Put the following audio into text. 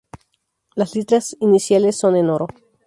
Las letras iniciales son en oro.